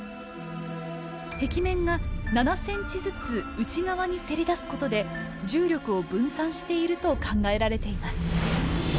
壁面が７ｃｍずつ内側にせり出すことで重力を分散していると考えられています。